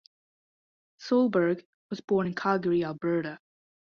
Solberg was born in Calgary, Alberta.